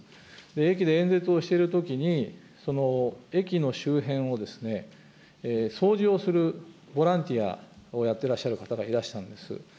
駅で演説をしているときに、駅の周辺を掃除をするボランティアをやってらっしゃる方がいらしたんです。